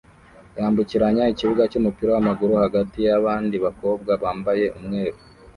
yambukiranya ikibuga cyumupira wamaguru hagati yabandi bakobwa bambaye umweru